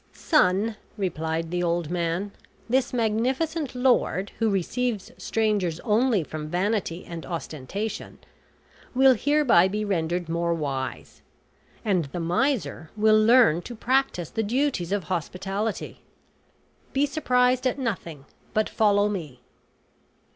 "Son," replied the old man, "this magnificent lord, who receives strangers only from vanity and ostentation, will hereby be rendered more wise; and the miser will learn to practice the duties of hospitality. Be surprised at nothing, but follow me."